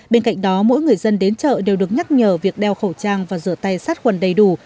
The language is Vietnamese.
bên cạnh đó mỗi người dân đến chợ đều được nhắc nhở việc đeo khẩu trang và rửa tay sát quần đầy đủ